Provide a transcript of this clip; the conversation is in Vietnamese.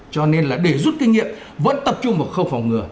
cho nên là để rút kinh nghiệm vẫn tập trung vào khâu phòng ngừa